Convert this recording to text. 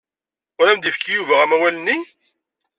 Ur am-d-yefki Yuba amawal-nni?